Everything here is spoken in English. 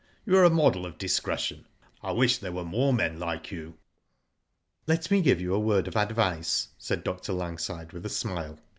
^^You are a model of discretion. I wish there were more men like you." Let me give you a word of advice," said Dr. Langside, with a smile.